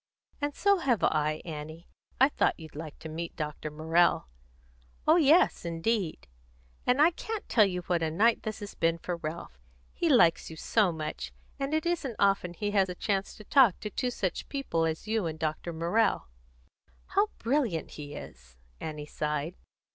"And so have I, Annie. I thought you'd like to meet Dr. Morrell." "Oh yes, indeed!" "And I can't tell you what a night this has been for Ralph. He likes you so much, and it isn't often that he has a chance to talk to two such people as you and Dr. Morrell." "How brilliant he is!" Annie sighed.